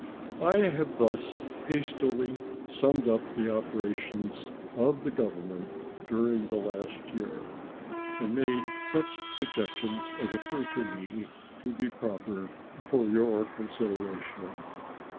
I have thus hastily summed up the operations of the Government during the last year, and made such suggestions as occur to me to be proper for your consideration.